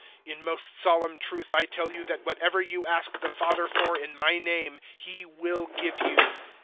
"In most solemn truth I tell you that whatever you ask the Father for in my name He will give you.